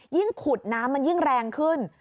ยิ่งขุดน้ำมันยิ่งแรงขึ้น